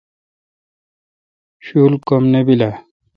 شول کم نہ بیل اؘ۔